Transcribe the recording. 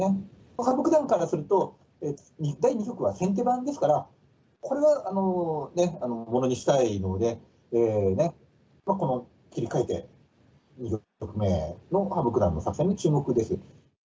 羽生九段からすると、第２局は先手番ですから、これはものにしたいので、切り替えて、羽生九段の作戦に注目です。